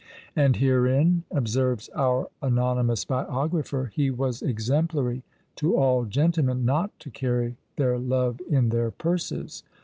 "And herein," observes our anonymous biographer, "he was exemplary to all gentlemen not to carry their love in their purses."